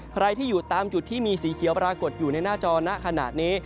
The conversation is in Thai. ใครที่อยู่ตามจุดที่มีสีเขียวปรากฏอยู่ในหน้าจอนะขนาดนี้